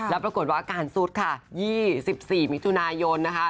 แล้วปรากฏว่าอาการซุดค่ะ๒๔มิถุนายนนะคะ